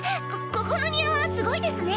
ここの庭はすごいですね。